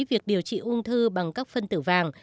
việc điều trị ung thư bằng các phân tử vàng